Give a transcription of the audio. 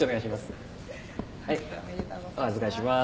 お預かりします。